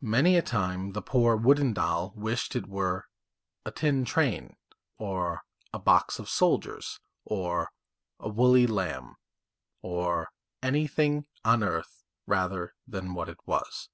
Many a time the poor wooden doll wished it were a tin train, or a box of soldiers, or a woolly lamb, or anything on earth rather than what it was.